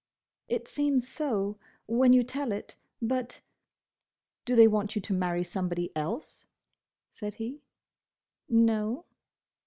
"It seems so, when you tell it, but—" "Do they want you to marry somebody else?" said he. "No."